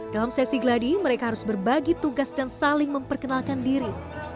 dalam sesi gladi mereka harus berbagi tugas dan saling memperkenalkan diri